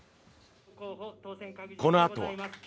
このあとは。